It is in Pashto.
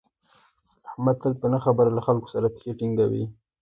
احمد تل په نه خبره له خلکو سره پښې ټینگوي.